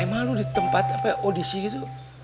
emang lo di tempat apa ya audisi gitu